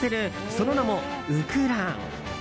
その名も、ウクラン。